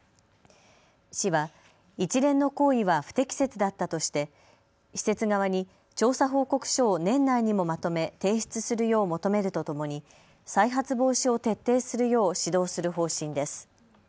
市は一連の行為は不適切だったとして施設側に調査報告書を年内にもまとめ、提出するよう求めるとともに再発防止を徹底するよう指導する方針です。